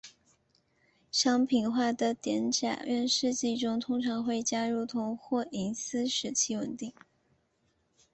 商品化的碘甲烷试剂中通常会加入铜或银丝使其稳定。